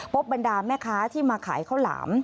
พบแบนดามแม่คะที่มาขายข้าวหลาม